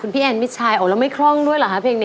พี่แอนมิดชัยออกแล้วไม่คล่องด้วยเหรอคะเพลงนี้